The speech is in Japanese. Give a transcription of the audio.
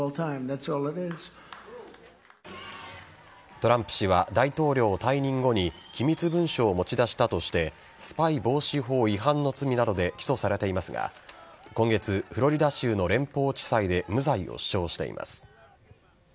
トランプ氏は大統領退任後に機密文書を持ち出したとしてスパイ防止法違反の罪などで起訴されていますが今月、フロリダ州の連邦地裁で無罪を主張しています。